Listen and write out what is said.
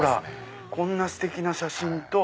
こんなステキな写真と。